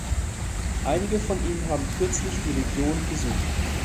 Einige von Ihnen haben kürzlich die Region besucht.